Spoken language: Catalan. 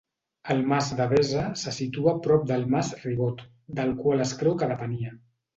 El Mas Devesa se situa prop del Mas Ribot, del qual es creu que depenia.